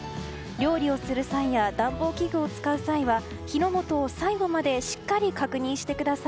料理をする際や暖房器具を使う際は火の元を最後までしっかり確認してください。